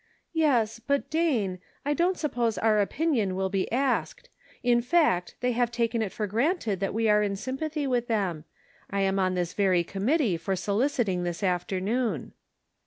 Yes, but, Dane, I don't suppose our opinion will be asked; in fact, they have taken it for granted that we are in sym pathy with them ; I am on this very com mittee for soliciting this afternoon."